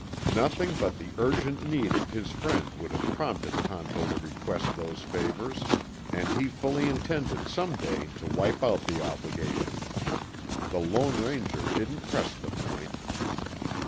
Nothing but the urgent need of his friend would have prompted Tonto to request those favors, and he fully intended some day to wipe out the obligation. The Lone Ranger didn't press the point.